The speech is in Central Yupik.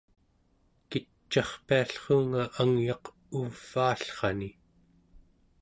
kic'arpiallruunga angyaq uvaallrani